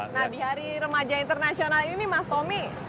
nah di hari remaja internasional ini mas tommy